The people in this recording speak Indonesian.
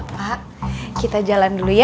pak kita jalan dulu ya